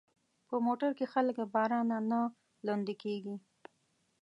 موټر کې خلک له بارانه نه لندي کېږي.